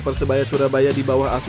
persebaya surabaya di bawah asumsi ke dua